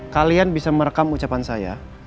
kalian bisa merekam ucapan saya